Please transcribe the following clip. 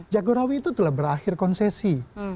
jagorawi itu telah berakhir konsesi